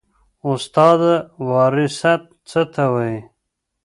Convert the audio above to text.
استاده وراثت څه ته وایي